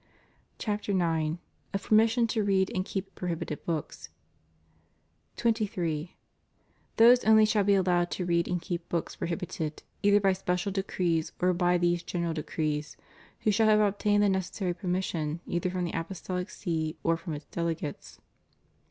CHAPTER IX. Of Permission to Read and Keep Prohibited Books. 23. Those only shall be allowed to read and keep books prohibited, either by special decrees or by these General Decrees, who shall have obtained the necessary permission, either from the Apostolic See or from its delegates.